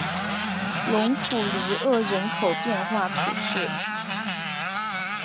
隆普尼厄人口变化图示